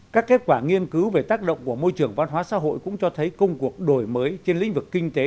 các kết quả nghiên cứu về tác động của môi trường văn hóa xã hội cũng cho thấy công cuộc đổi mới trên lĩnh vực kinh tế